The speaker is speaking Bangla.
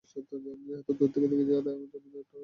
যেহেতু দূর থেকে দেখেছি তাই আমার জন্য ব্যাপারটা আরও বাজে ছিল।